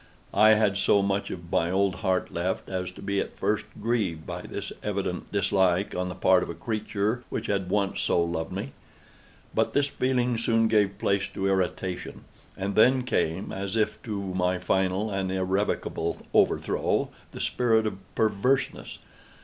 I had so much of my old heart left, as to be at first grieved by this evident dislike on the part of a creature which had once so loved me. But this feeling soon gave place to irritation. And then came, as if to my final and irrevocable overthrow, the spirit of PERVERSENESS.